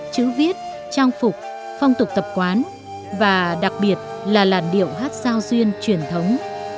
chữ viết trang phục phong tục tập quán và đặc biệt là làn điệu hát giao duyên truyền thống